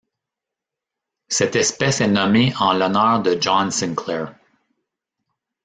Cette espèce est nommée en l'honneur de John Sinclair.